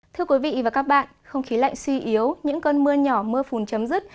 thưa quý vị và các bạn không khí lạnh suy yếu những cơn mưa nhỏ mưa phùn chấm dứt